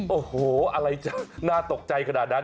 โอ้โหอะไรจะน่าตกใจขนาดนั้น